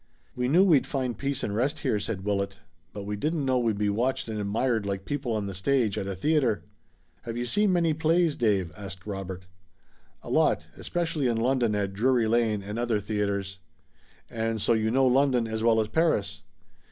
"We knew we'd find peace and rest here," said Willet, "but we didn't know we'd be watched and admired like people on the stage at a theater." "Have you seen many plays, Dave?" asked Robert. "A lot, especially in London at Drury Lane and other theaters." "And so you know London, as well as Paris?"